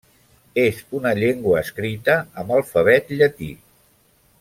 És una llengua escrita amb alfabet llatí.